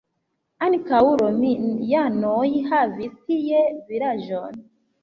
Ankaŭ romianoj havis tie vilaĝon.